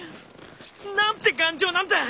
何て頑丈なんだ！